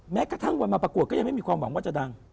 แม้กระทั่งวันมาประกวดก็ยังไม่มีความหวังว่าจะดัง